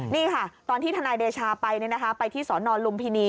นี่ค่ะตอนที่ทนายเดชาไปไปที่สนลุมพินี